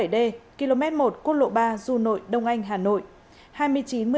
hai nghìn chín trăm linh bảy d km một quốc lộ ba du nội đông anh hà nội